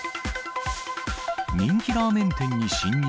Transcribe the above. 人気ラーメン店に侵入。